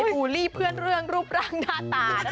บูลี่เพื่อนเรื่องรูปรังหน้าตาร์หน้าตา